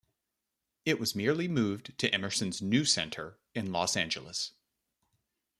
It was merely moved to Emerson's new center in Los Angeles.